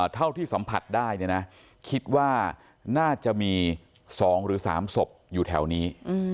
เท่าที่สัมผัสได้เนี่ยนะคิดว่าน่าจะมี๒หรือ๓ศพอยู่แถวนี้